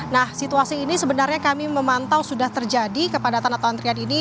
nah situasi ini sebenarnya kami memantau sudah terjadi kepadatan atau antrian ini